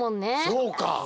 そうか。